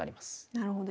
なるほど。